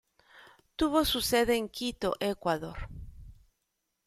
Tuvo su sede en Quito, Ecuador.